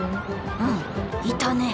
うんいたね。